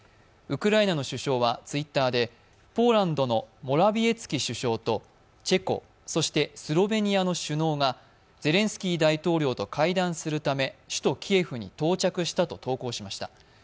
ウクライナの首相はＴｗｉｔｔｅｒでポーランドのモラヴィエツキ首相とチェコ、そしてスロベニアの首脳がゼレンスキー大統領と会談するため首都キエフに到着したと投稿しました。